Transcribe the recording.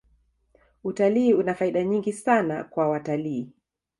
utalii una faida nyingi sana kwa watalii